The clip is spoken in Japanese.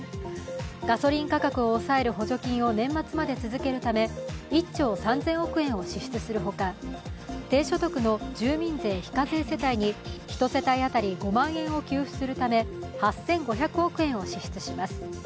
ガソリン価格を抑える補助金を年末まで続けるため１兆３０００億円を支出するほか低所得の住民税非課税世帯に１世帯当たり５万円を給付するため、８５００億円を支出します。